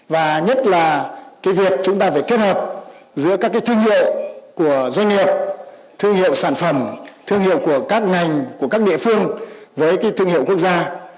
và nhất là việc chúng ta phải kết hợp giữa các thương hiệu của doanh nghiệp thương hiệu sản phẩm thương hiệu của các ngành của các địa phương với cái thương hiệu quốc gia